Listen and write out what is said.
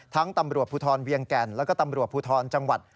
ตำรวจภูทรเวียงแก่นแล้วก็ตำรวจภูทรจังหวัด